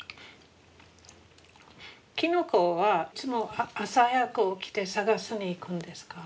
キノコはいつも朝早く起きて探しに行くんですか？